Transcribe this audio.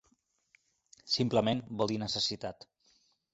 Simplement vol dir necessitat.